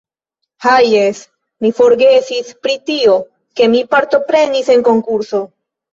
Ha jes, mi forgesis pri tio, ke mi partoprenis en konkurso